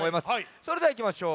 それではいきましょう。